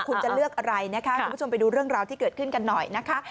คุณจะเลือกอะไรนะคะคุณผู้ชมไปดูเรื่องราวที่เกิดขึ้นกันหน่อยนะคะ